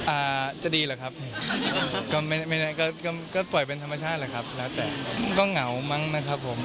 อ่าจะดีหรอกครับก็เปล่าเป็นธรรมชาติแหละครับแล้วแต่ก็เหงามั้งนะครับผม